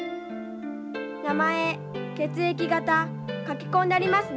名前血液型書き込んでありますね？